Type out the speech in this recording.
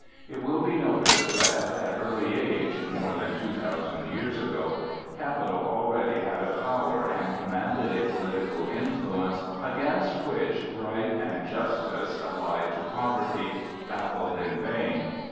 It will be noticed that at that early age (more than two thousand years ago) capital already had a power and commanded a political influence against which right and justice, allied to poverty, battled in vain.